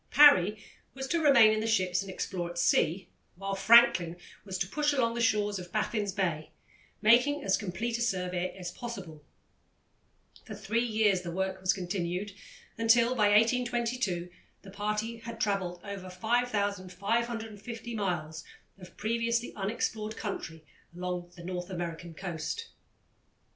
Parry was to remain in the ships and explore at sea, while Franklin was to push along the shores of Baffin's Bay, making as complete a survey as possible. For three years the work was continued, until, by 1822, the party had travelled over 5550 miles of previously unexplored country along the North American coast.